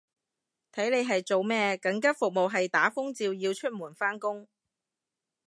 睇你係做咩，緊急服務係打風照要出門返工